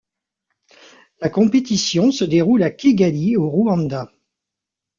La compétition se déroule à Kigali au Rwanda.